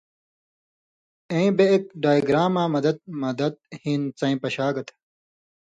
ایں بےایک ڈائگراماں مدَت (مدد) ہِن څَیں پشاگ تھہ